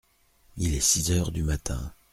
Il est six heures du matin.